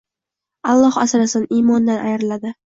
Alloh asrasin, imondan ayriladi.